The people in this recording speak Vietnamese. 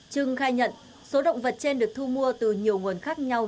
trưng khai nhận số động vật trên được thu mua từ nhiều nguồn khác nhau